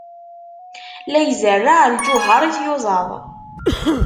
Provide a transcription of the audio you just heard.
La izerreɛ lǧuheṛ i tyuzaḍ.